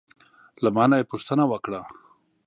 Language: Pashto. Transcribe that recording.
له ما نه یې پوښتنه وکړه: